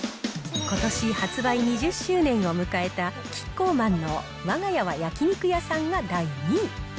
ことし発売２０周年を迎えた、キッコーマンのわが家は焼肉屋さんが第２位。